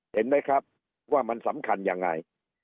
เห็นไหมครับว่ามันสำคัญยังไง